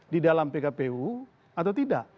di dalam pkpu